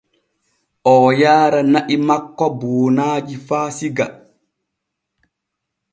Oo yaara na’i makko buunaaji faa Siga.